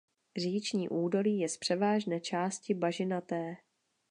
Říční údolí je z převážné části bažinaté.